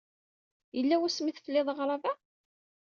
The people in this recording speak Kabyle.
Yella wasmi ay tefliḍ aɣrab-a?